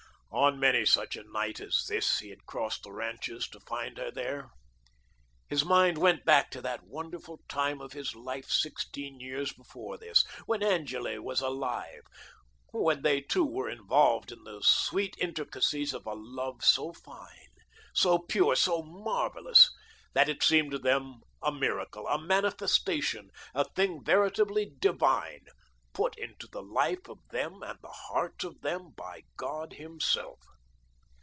On many such a night as this he had crossed the ranches to find her there. His mind went back to that wonderful time of his life sixteen years before this, when Angele was alive, when they two were involved in the sweet intricacies of a love so fine, so pure, so marvellous that it seemed to them a miracle, a manifestation, a thing veritably divine, put into the life of them and the hearts of them by God Himself.